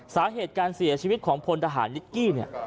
สาเหตุการเสียชีวิตของพลทหารนิกกี้เนี่ย